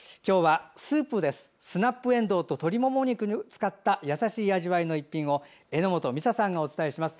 スナップえんどうと鶏もも肉を使った優しい味わいの一品を榎本美沙さんがお伝えします。